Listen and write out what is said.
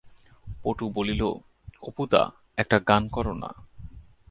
পটু বলিল, অপু-দা একটা গান কর না?